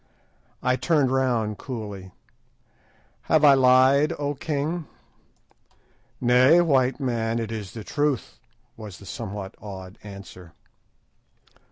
I turned round coolly— "Have I lied, O king?" "Nay, white man, it is the truth," was the somewhat awed answer.